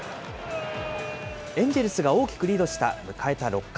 エンジェルスが大きくリードした迎えた６回。